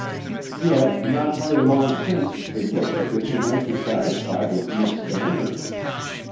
"Yet, not very long since, it looked as if you might be satisfied with Miss Stannard."